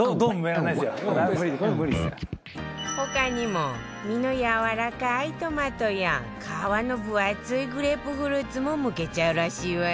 他にも身のやわらかいトマトや皮の分厚いグレープフルーツもむけちゃうらしいわよ